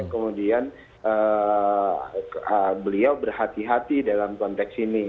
kemudian beliau berhati hati dalam konteks ini